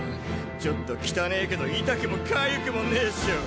ちょっと汚ねぇけど痛くもかゆくもねえっショ。